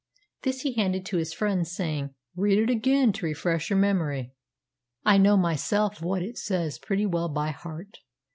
This he handed to his friend, saying, "Read it again, to refresh your memory. I know myself what it says pretty well by heart."